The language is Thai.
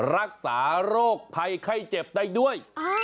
รักษาโรคภัยไข้เจ็บได้ด้วย